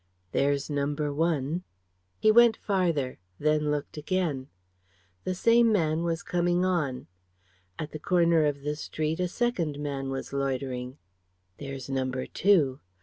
"There's Number One." He went farther; then looked again. The same man was coming on; at the corner of the street a second man was loitering. "There's Number Two.